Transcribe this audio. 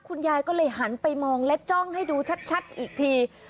คุณยายก็เลยหันไปมองและจ้องให้ดูชัดอีกที